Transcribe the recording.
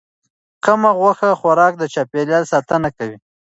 کم غوښه خوراک د چاپیریال ساتنه کوي.